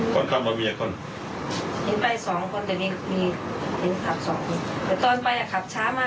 ตอนการไปผมเดี๋ยวหน่อยบอกครับ